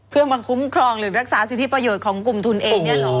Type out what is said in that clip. เพื่อมาคุ้มครองหรือรักษาสิทธิประโยชน์ของกลุ่มทุนเองเนี่ยเหรอ